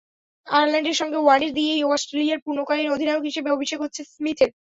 আয়ারল্যান্ডের সঙ্গে ওয়ানডে দিয়েই অস্ট্রেলিয়ার পূর্ণকালীন অধিনায়ক হিসেবে অভিষেক হচ্ছে স্মিথের।